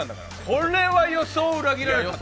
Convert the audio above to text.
これは予想を裏切られた！